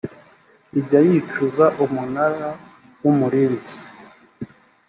ijya yicuza umunara w umurinzi